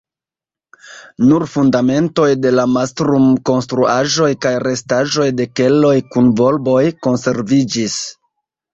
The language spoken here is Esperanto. Nur fundamentoj de la mastrum-konstruaĵoj kaj restaĵoj de keloj kun volboj konserviĝis.